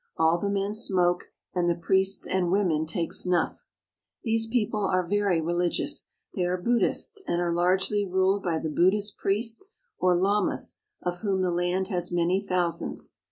All the men smoke, and the priests and women take snuff. These people are very religious. They are Buddhists, and are largely ruled by the Buddhist pea Chum. priests or lamas, of whom the land has many thousands.